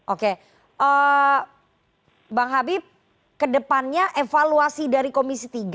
oke bang habib ke depannya evaluasi dari komisi tiga